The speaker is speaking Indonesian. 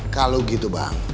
kalau gitu bang